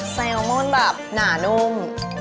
แซลมอนแบบหนานุ่ม